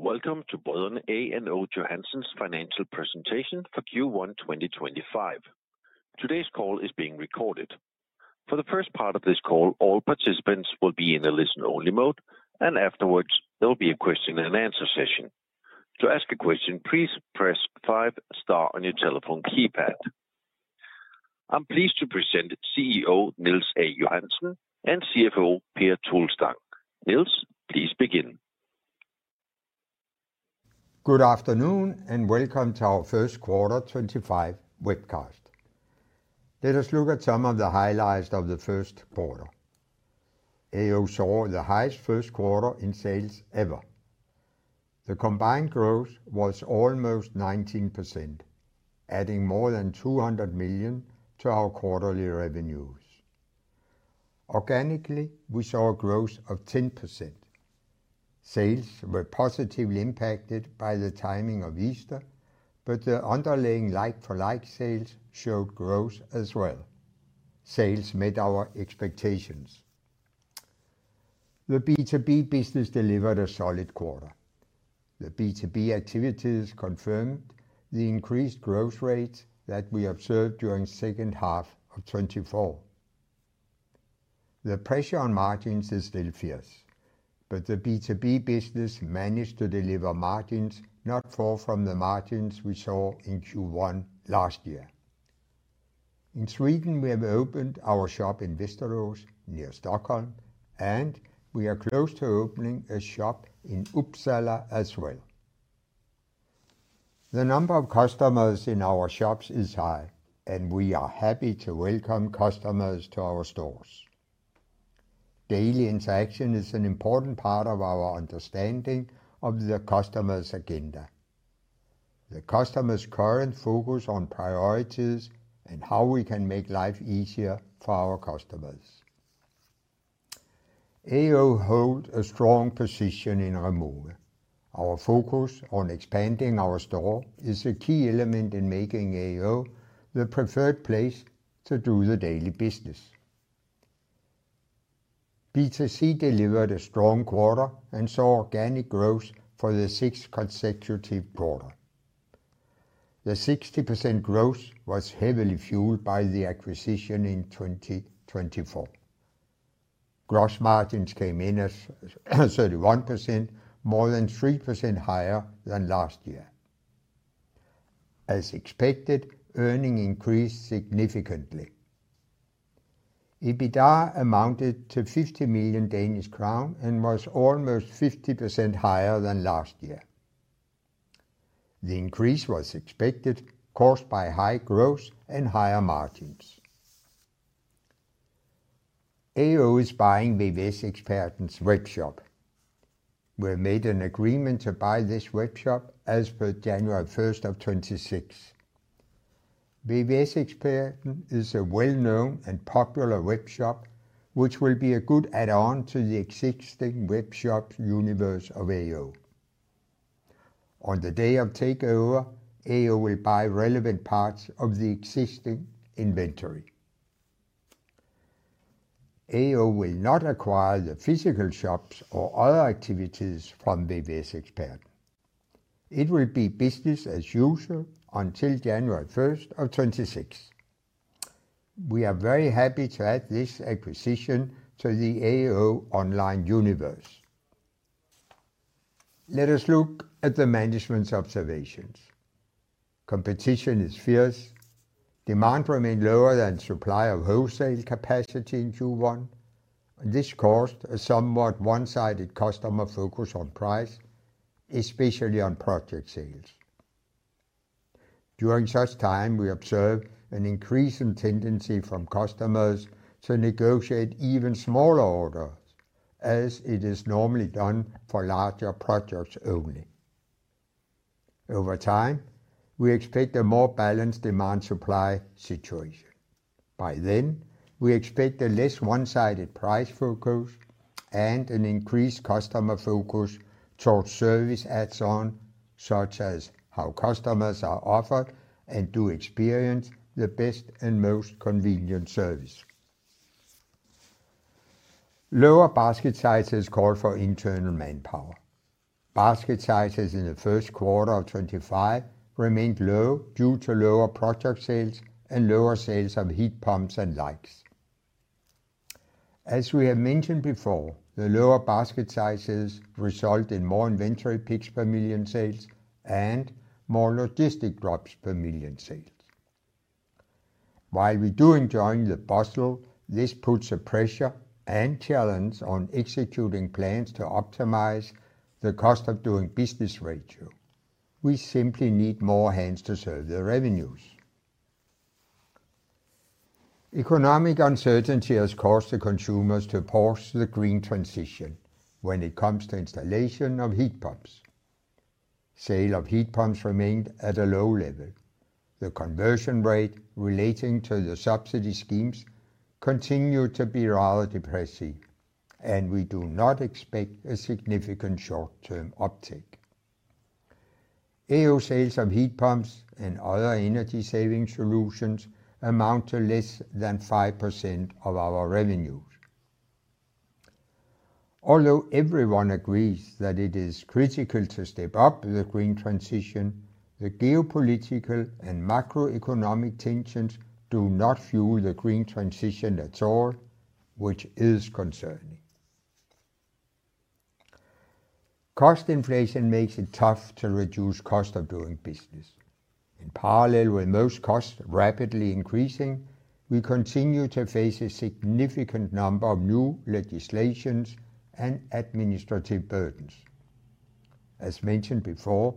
Welcome to Brødrene AO Johansen's financial presentation for Q1 2025. Today's call is being recorded. For the first part of this call, all participants will be in a listen-only mode, and afterwards, there will be a question-and-answer session. To ask a question, please press five-star on your telephone keypad. I'm pleased to present CEO Niels A. Johansen and CFO Per Toelstang. Niels, please begin. Good afternoon, and welcome to our Q1 2025 webcast. Let us look at some of the highlights of the Q1. AO saw the highest Q1 in sales ever. The combined growth was almost 19%, adding more than 200 million to our quarterly revenues. Organically, we saw a growth of 10%. Sales were positively impacted by the timing of Easter, but the underlying like-for-like sales showed growth as well. Sales met our expectations. The B2B business delivered a solid quarter. The B2B activities confirmed the increased growth rate that we observed during the H2 of 2024. The pressure on margins is still fierce, but the B2B business managed to deliver margins not far from the margins we saw in Q1 last year. In Sweden, we have opened our shop in Västerås near Stockholm, and we are close to opening a shop in Uppsala as well. The number of customers in our shops is high, and we are happy to welcome customers to our stores. Daily interaction is an important part of our understanding of the customer's agenda. The customer's current focus on priorities and how we can make life easier for our customers. AO holds a strong position in removal. Our focus on expanding our store is a key element in making AO the preferred place to do the daily business. B2C delivered a strong quarter and saw organic growth for the sixth consecutive quarter. The 60% growth was heavily fueled by the acquisition in 2024. Gross margins came in at 31%, more than 3% higher than last year. As expected, earnings increased significantly. EBITDA amounted to 50 million Danish crown and was almost 50% higher than last year. The increase was expected caused by high growth and higher margins. AO is buying VVS-Eksperten's webshop. We have made an agreement to buy this webshop as per January 1 of 2026. VVS VVS-Eksperten is a well-known and popular webshop, which will be a good add-on to the existing webshop universe of AO. On the day of takeover, AO will buy relevant parts of the existing inventory. AO will not acquire the physical shops or other activities from VVS-Eksperten. It will be business as usual until 1 January 2026. We are very happy to add this acquisition to the AO online universe. Let us look at the management's observations. Competition is fierce. Demand remained lower than supply of wholesale capacity in Q1, and this caused a somewhat one-sided customer focus on price, especially on project sales. During such time, we observed an increase in tendency from customers to negotiate even smaller orders, as it is normally done for larger projects only. Over time, we expect a more balanced demand-supply situation. By then, we expect a less one-sided price focus and an increased customer focus towards service adds-on, such as how customers are offered and do experience the best and most convenient service. Lower basket size has called for internal manpower. Basket sizes in the Q1 of 2025 remained low due to lower project sales and lower sales of heat pumps and likes. As we have mentioned before, the lower basket sizes result in more inventory picks per million sales and more logistic drops per million sales. While we do enjoy the bustle, this puts a pressure and challenge on executing plans to optimize the cost of doing business ratio. We simply need more hands to serve the revenues. Economic uncertainty has caused the consumers to pause the green transition when it comes to installation of heat pumps. Sale of heat pumps remained at a low level. The conversion rate relating to the subsidy schemes continued to be rather depressing, and we do not expect a significant short-term uptake. AO sales of heat pumps and other energy-saving solutions amount to less than 5% of our revenues. Although everyone agrees that it is critical to step up the green transition, the geopolitical and macroeconomic tensions do not fuel the green transition at all, which is concerning. Cost inflation makes it tough to reduce cost of doing business. In parallel with most costs rapidly increasing, we continue to face a significant number of new legislations and administrative burdens. As mentioned before,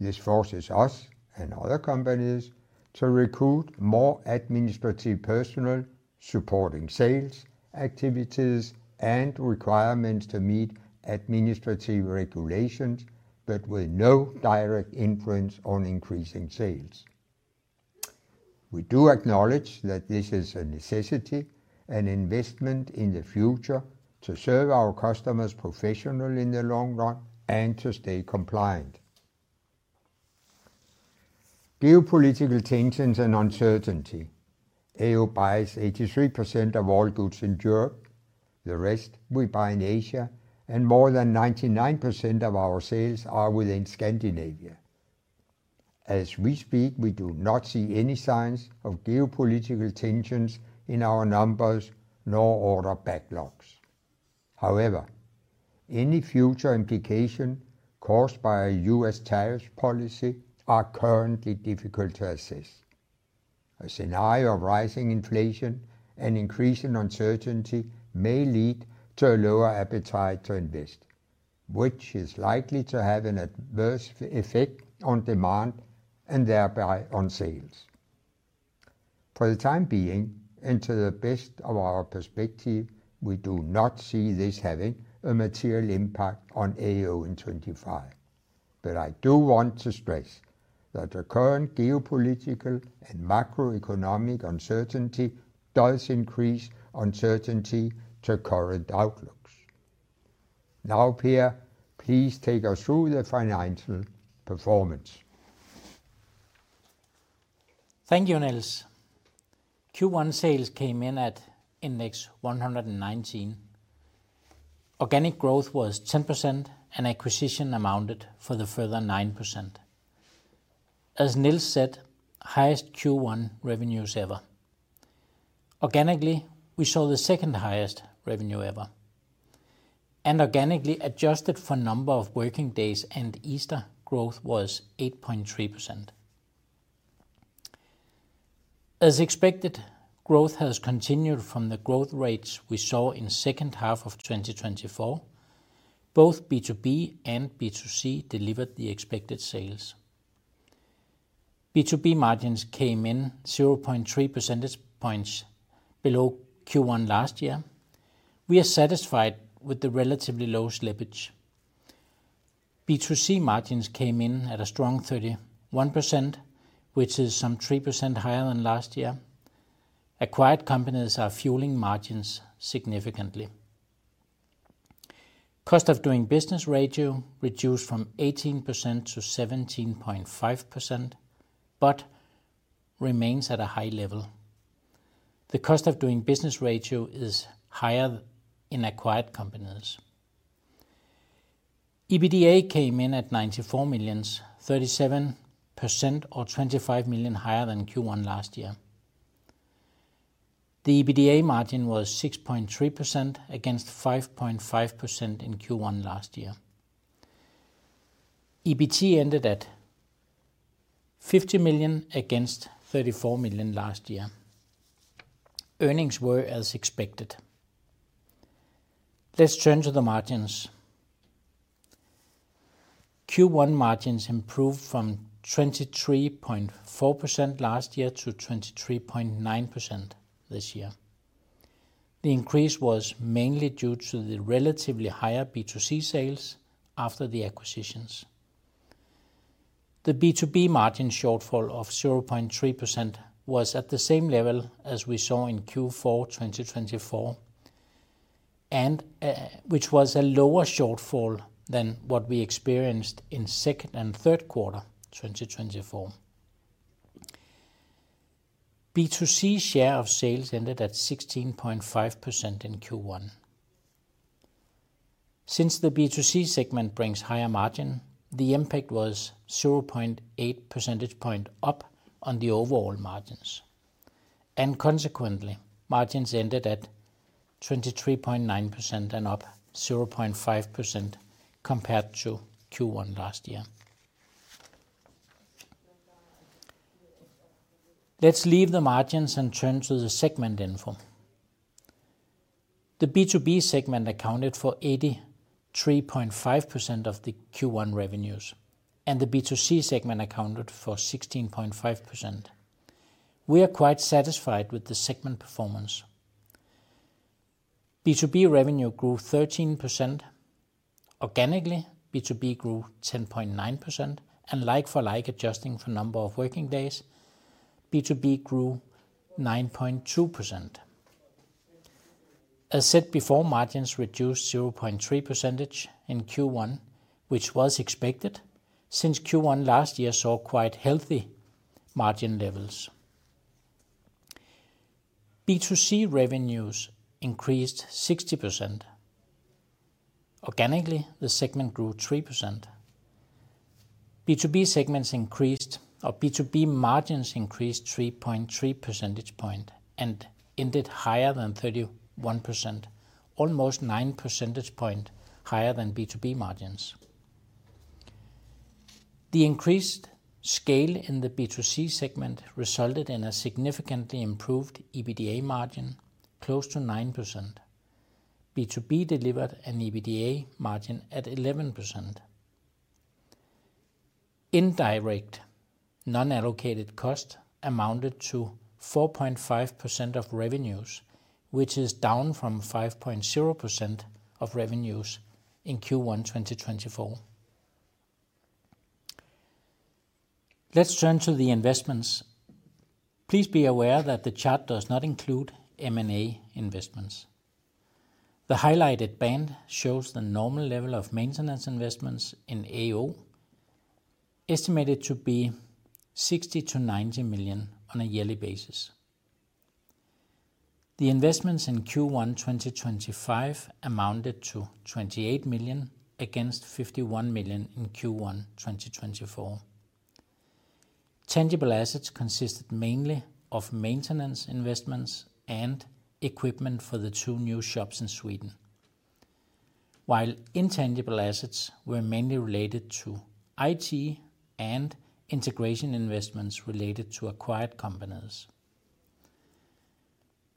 this forces us and other companies to recruit more administrative personnel supporting sales activities and requirements to meet administrative regulations, but with no direct influence on increasing sales. We do acknowledge that this is a necessity, an investment in the future to serve our customers professionally in the long run and to stay compliant. Geopolitical tensions and uncertainty. AO buys 83% of all goods in Europe. The rest we buy in Asia, and more than 99% of our sales are within Scandinavia. As we speak, we do not see any signs of geopolitical tensions in our numbers nor order backlogs. However, any future implications caused by US tariffs policy are currently difficult to assess. A scenario of rising inflation and increasing uncertainty may lead to a lower appetite to invest, which is likely to have an adverse effect on demand and thereby on sales. For the time being, and to the best of our perspective, we do not see this having a material impact on AO in 2025. I do want to stress that the current geopolitical and macroeconomic uncertainty does increase uncertainty to current outlooks. Now, Per, please take us through the financial performance. Thank you, Niels. Q1 sales came in at index 119. Organic growth was 10%, and acquisition amounted for the further 9%. As Niels said, highest Q1 revenues ever. Organically, we saw the second highest revenue ever. Organically adjusted for number of working days and Easter, growth was 8.3%. As expected, growth has continued from the growth rates we saw in the H2 of 2024. Both B2B and B2C delivered the expected sales. B2B margins came in 0.3 percentage points below Q1 last year. We are satisfied with the relatively low slippage. B2C margins came in at a strong 31%, which is some 3% higher than last year. Acquired companies are fueling margins significantly. Cost of doing business ratio reduced from 18% to 17.5%, but remains at a high level. The cost of doing business ratio is higher in acquired companies. EBITDA came in at 94 million, 37% or 25 million higher than Q1 last year. The EBITDA margin was 6.3% against 5.5% in Q1 last year. EBIT ended at 50 million against 34 million last year. Earnings were as expected. Let's turn to the margins. Q1 margins improved from 23.4% last year to 23.9% this year. The increase was mainly due to the relatively higher B2C sales after the acquisitions. The B2B margin shortfall of 0.3% was at the same level as we saw in Q4 2024, which was a lower shortfall than what we experienced in second and Q3 2024. B2C share of sales ended at 16.5% in Q1. Since the B2C segment brings higher margin, the impact was 0.8 percentage point up on the overall margins. Consequently, margins ended at 23.9% and up 0.5% compared to Q1 last year. Let's leave the margins and turn to the segment info. The B2B segment accounted for 83.5% of the Q1 revenues, and the B2C segment accounted for 16.5%. We are quite satisfied with the segment performance. B2B revenue grew 13%. Organically, B2B grew 10.9%, and like-for-like adjusting for number of working days, B2B grew 9.2%. As said before, margins reduced 0.3 percentage points in Q1, which was expected since Q1 last year saw quite healthy margin levels. B2C revenues increased 60%. Organically, the segment grew 3%. B2B segments increased, or B2B margins increased 3.3 percentage points and ended higher than 31%, almost 9 percentage points higher than B2B margins. The increased scale in the B2C segment resulted in a significantly improved EBITDA margin, close to 9%. B2B delivered an EBITDA margin at 11%. Indirect non-allocated cost amounted to 4.5% of revenues, which is down from 5.0% of revenues in Q1 2024. Let's turn to the investments. Please be aware that the chart does not include M&A investments. The highlighted band shows the normal level of maintenance investments in AO, estimated to be 60 million to 90 million on a yearly basis. The investments in Q1 2025 amounted to 28 million against 51 million in Q1 2024. Tangible assets consisted mainly of maintenance investments and equipment for the two new shops in Sweden, while intangible assets were mainly related to IT and integration investments related to acquired companies.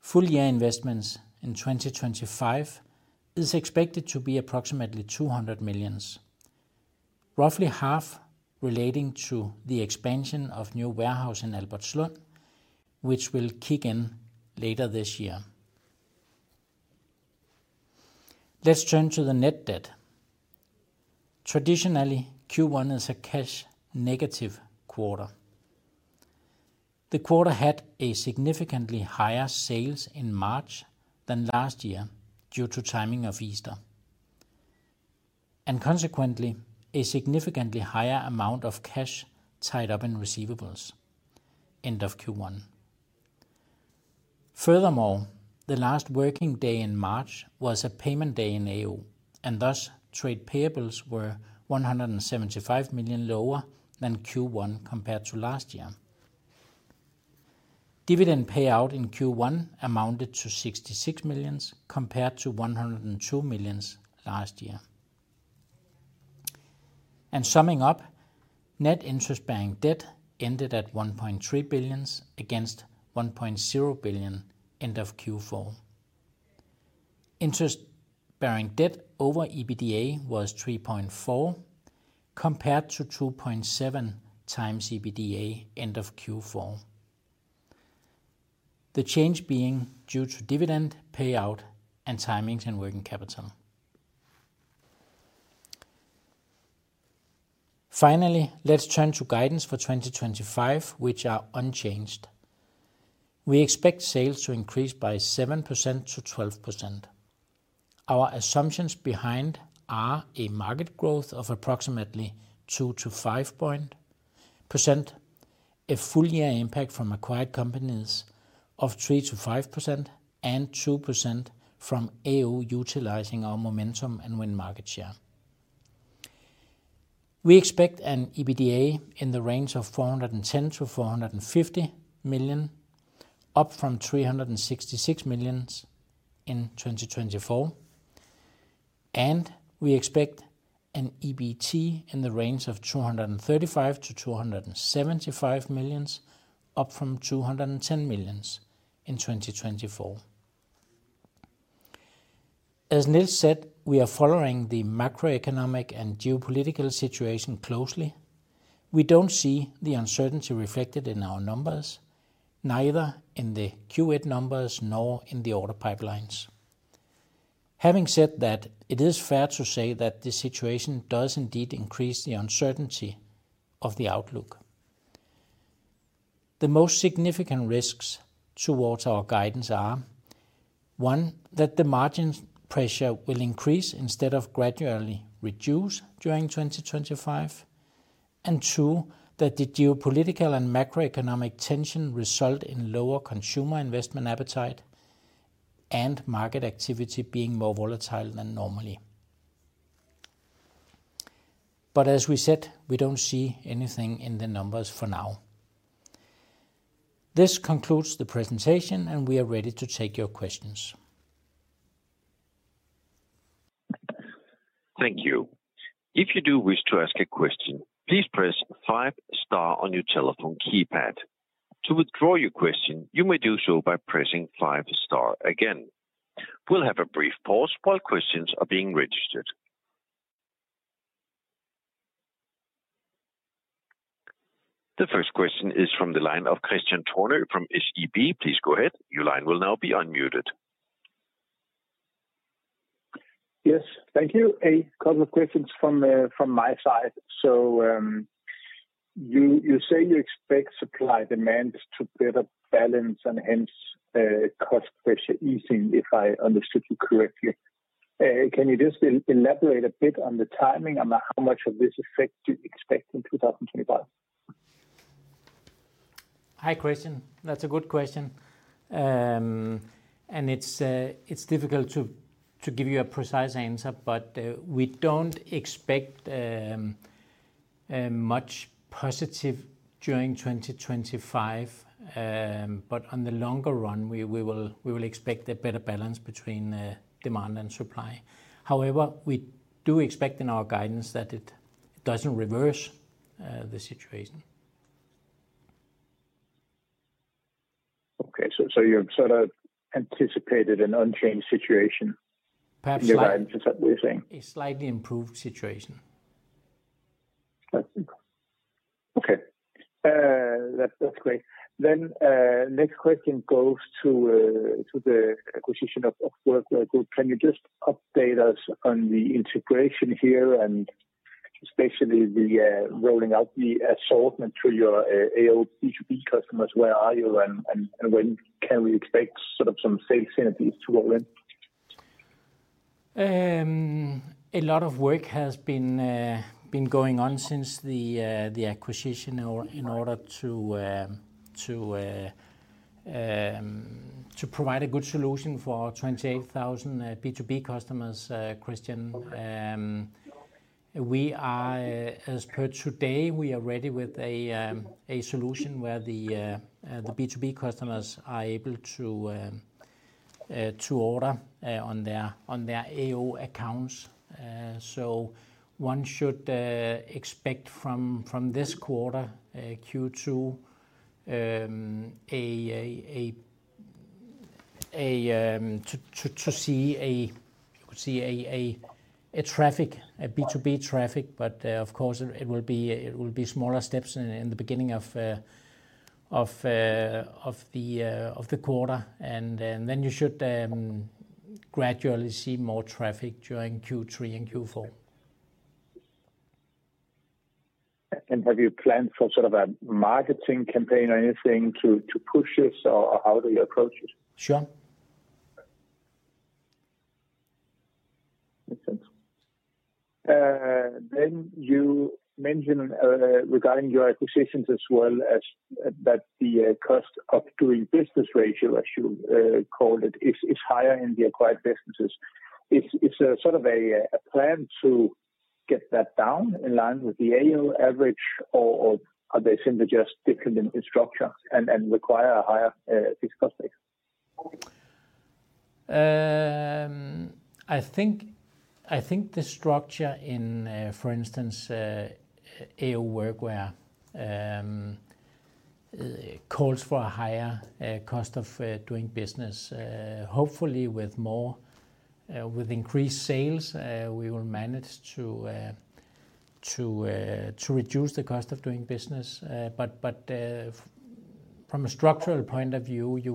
Full year investments in 2025 is expected to be approximately 200 million, roughly half relating to the expansion of new warehouse in Albertslund, which will kick in later this year. Let's turn to the net debt. Traditionally, Q1 is a cash negative quarter. The quarter had a significantly higher sales in March than last year due to timing of Easter. Consequently, a significantly higher amount of cash tied up in receivables end of Q1. Furthermore, the last working day in March was a payment day in AO, and thus trade payables were 175 million lower than Q1 compared to last year. Dividend payout in Q1 amounted to 66 million compared to 102 million last year. Summing up, net interest-bearing debt ended at 1.3 billion against 1.0 billion end of Q4. Interest-bearing debt over EBITDA was 3.4 compared to 2.7 times EBITDA end of Q4. The change being due to dividend payout and timings and working capital. Finally, let's turn to guidance for 2025, which are unchanged. We expect sales to increase by 7% to 12%. Our assumptions behind are a market growth of approximately 2% to 5%, a full year impact from acquired companies of 3% to 5%, and 2% from AO utilizing our momentum and win market share. We expect an EBITDA in the range of 410 to 450 million, up from 366 million in 2024. We expect an EBIT in the range of 235 to 275 million, up from 210 million in 2024. As Niels said, we are following the macroeconomic and geopolitical situation closely. We do not see the uncertainty reflected in our numbers, neither in the Q8 numbers nor in the order pipelines. Having said that, it is fair to say that the situation does indeed increase the uncertainty of the outlook. The most significant risks towards our guidance are, one, that the margin pressure will increase instead of gradually reduce during 2025, and, two, that the geopolitical and macroeconomic tension result in lower consumer investment appetite and market activity being more volatile than normally. As we said, we do not see anything in the numbers for now. This concludes the presentation, and we are ready to take your questions. Thank you. If you do wish to ask a question, please press five star on your telephone keypad. To withdraw your question, you may do so by pressing five star again. We'll have a brief pause while questions are being registered. The first question is from the line of Christian Torner from SEB. Please go ahead. Your line will now be unmuted. Yes, thank you. A couple of questions from my side. You say you expect supply demand to better balance and hence cost pressure easing, if I understood you correctly. Can you just elaborate a bit on the timing and how much of this effect you expect in 2025? Hi, Christian. That's a good question. It's difficult to give you a precise answer, but we don't expect much positive during 2025. On the longer run, we will expect a better balance between demand and supply. However, we do expect in our guidance that it doesn't reverse the situation. Okay. You sort of anticipated an unchanged situation? In your guidance. Perhaps not. A slightly improved situation. Okay. That's great. The next question goes to the acquisition of work. Can you just update us on the integration here and especially the rolling out the assortment to your AO B2B customers? Where are you, and when can we expect sort of some sales synergies to roll in? A lot of work has been going on since the acquisition in order to provide a good solution for 28,000 B2B customers, Christian. As per today, we are ready with a solution where the B2B customers are able to order on their AO accounts. One should expect from this quarter, Q2, to see a traffic, a B2B traffic, but of course, it will be smaller steps in the beginning of the quarter. You should gradually see more traffic during Q3 and Q4. Have you planned for sort of a marketing campaign or anything to push this, or how do you approach it? Sure. Makes sense. Then you mentioned regarding your acquisitions as well as that the cost of doing business ratio, as you called it, is higher in the acquired businesses. Is there sort of a plan to get that down in line with the AO average, or are they simply just different in structure and require a higher fixed cost rate? I think the structure in, for instance, AO Workwear calls for a higher cost of doing business. Hopefully, with increased sales, we will manage to reduce the cost of doing business. From a structural point of view, you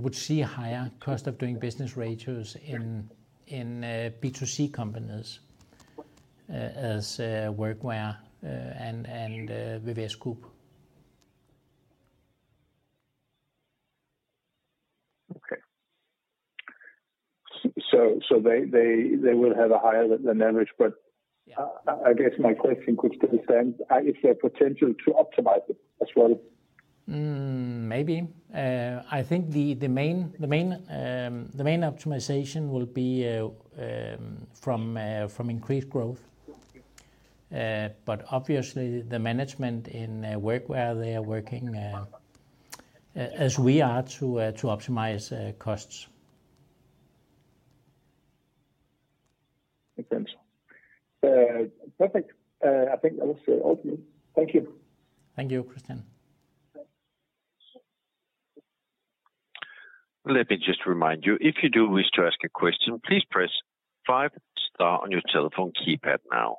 would see higher cost of doing business ratios in B2C companies as Workwear and Viveskup. Okay. They will have a higher than average, but I guess my question could still stand. Is there potential to optimize it as well? Maybe. I think the main optimization will be from increased growth. Obviously, the management in Workwear, they are working as we are to optimize costs. Makes sense. Perfect. I think that was all for me. Thank you. Thank you, Christian. Let me just remind you, if you do wish to ask a question, please press five star on your telephone keypad now.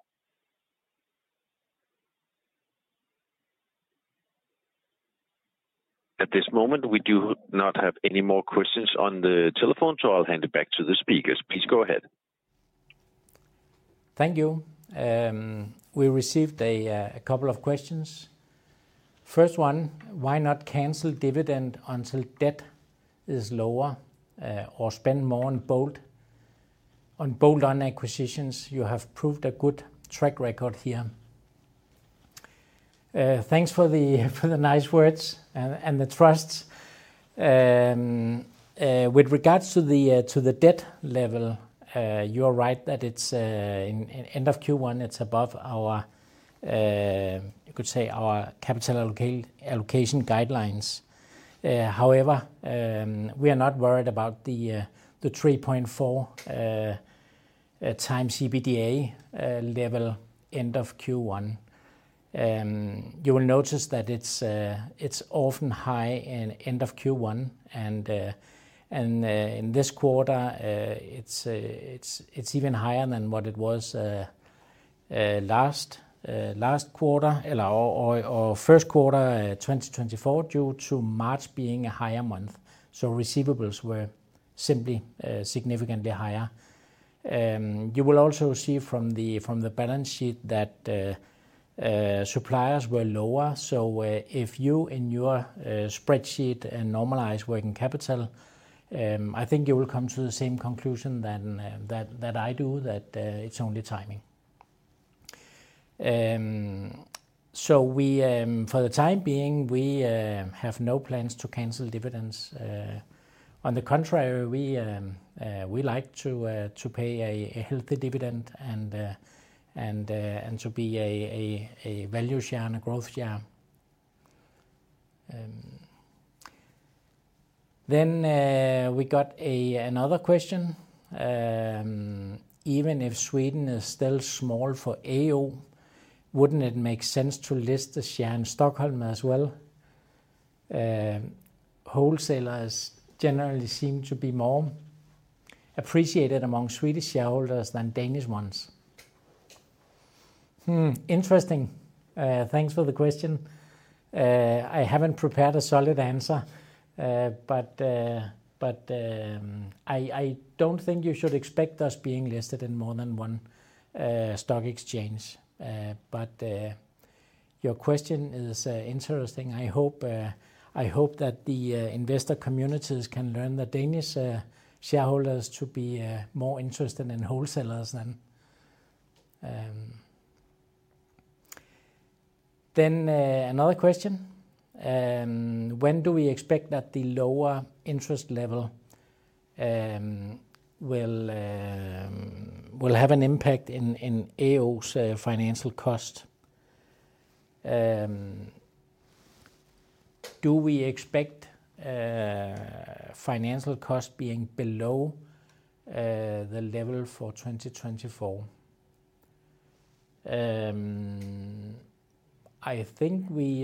At this moment, we do not have any more questions on the telephone, so I'll hand it back to the speakers. Please go ahead. Thank you. We received a couple of questions. First one, why not cancel dividend until debt is lower or spend more on bold acquisitions? You have proved a good track record here. Thanks for the nice words and the trust. With regards to the debt level, you're right that at the end of Q1, it's above our, you could say, our capital allocation guidelines. However, we are not worried about the 3.4 times EBITDA level end of Q1. You will notice that it's often high in end of Q1. In this quarter, it's even higher than what it was last quarter or Q1 2024 due to March being a higher month. Receivables were simply significantly higher. You will also see from the balance sheet that suppliers were lower. If you in your spreadsheet normalize working capital, I think you will come to the same conclusion that I do, that it's only timing. For the time being, we have no plans to cancel dividends. On the contrary, we like to pay a healthy dividend and to be a value share and a growth share. We got another question. Even if Sweden is still small for AO, wouldn't it make sense to list the share in Stockholm as well? Wholesalers generally seem to be more appreciated among Swedish shareholders than Danish ones. Interesting. Thanks for the question. I haven't prepared a solid answer, but I don't think you should expect us being listed in more than one stock exchange. Your question is interesting. I hope that the investor communities can learn that Danish shareholders to be more interested in wholesalers then. Another question. When do we expect that the lower interest level will have an impact in AO's financial cost? Do we expect financial costs being below the level for 2024? I think we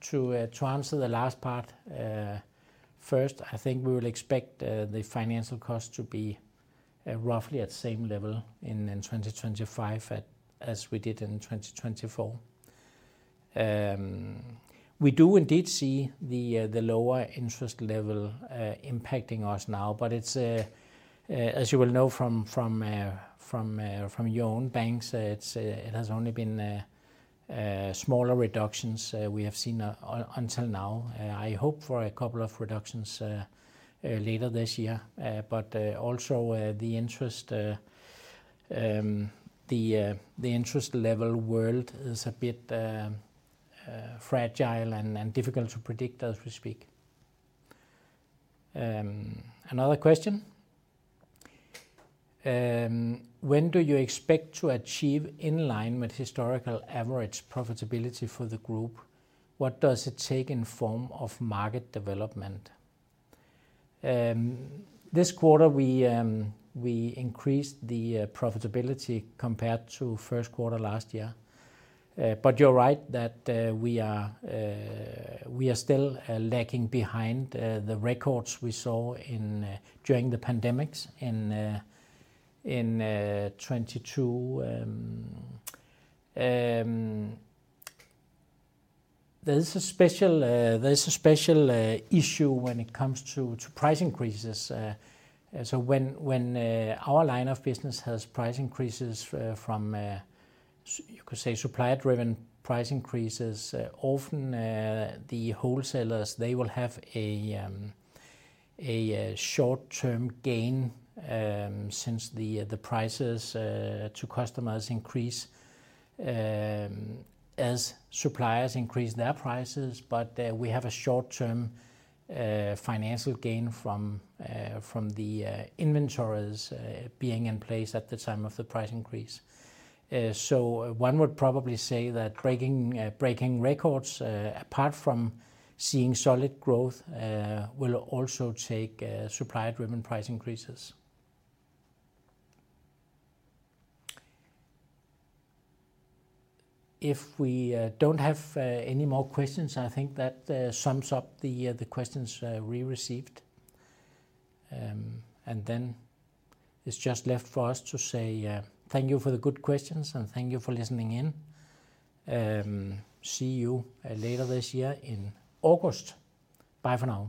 to answer the last part first, I think we will expect the financial costs to be roughly at the same level in 2025 as we did in 2024. We do indeed see the lower interest level impacting us now, but as you will know from your own banks, it has only been smaller reductions we have seen until now. I hope for a couple of reductions later this year. Also the interest level world is a bit fragile and difficult to predict as we speak. Another question. When do you expect to achieve in line with historical average profitability for the group? What does it take in form of market development? This quarter, we increased the profitability compared to Q1 last year. You're right that we are still lagging behind the records we saw during the pandemics in 2022. There is a special issue when it comes to price increases. When our line of business has price increases from, you could say, supplier-driven price increases, often the wholesalers will have a short-term gain since the prices to customers increase as suppliers increase their prices. We have a short-term financial gain from the inventories being in place at the time of the price increase. One would probably say that breaking records, apart from seeing solid growth, will also take supplier-driven price increases. If we don't have any more questions, I think that sums up the questions we received. It is just left for us to say thank you for the good questions and thank you for listening in. See you later this year in August. Bye for now.